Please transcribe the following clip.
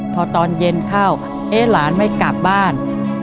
พอตอนเย็นเข้าเอ๊ะหลานไม่กลับบ้าน